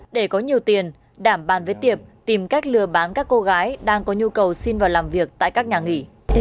để có nhiều tiền đảm bàn với tiệp tìm cách lừa bán các cô gái đang có nhu cầu xin vào làm việc tại các nhà nghỉ